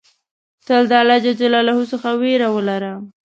تل د الله ج څخه ویره ولره.